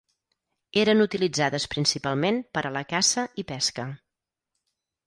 Eren utilitzades principalment per a la caça i pesca.